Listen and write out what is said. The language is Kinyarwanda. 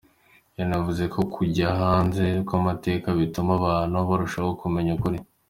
Yanavuze ko kujya hanze kw’amateka bituma abantu barushaho kumenya ukuri.